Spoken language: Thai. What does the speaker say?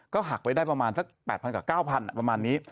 ก็หักไปได้ประมาณ๘๐๐๐กว่า๙๐๐๐บาทประมาณนี้